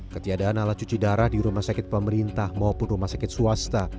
ketiadaan alat cuci darah di rumah sakit pemerintah maupun rumah sakit swasta